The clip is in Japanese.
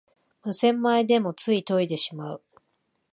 無洗米でもつい研いでしまう